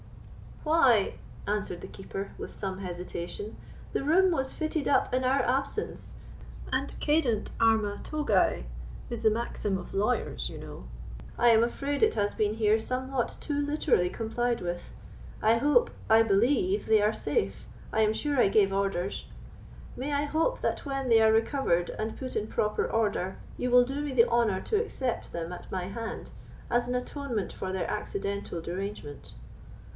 "Why," answered the Keeper, with some hesitation, "the room was fitted up in our absence, and cedant arma togæ is the maxim of lawyers, you know: I am afraid it has been here somewhat too literally complied with. I hope—I believe they are safe, I am sure I gave orders; may I hope that when they are recovered, and put in proper order, you will do me the honour to accept them at my hand, as an atonement for their accidental derangement?"